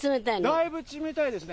だいぶ冷たいですね。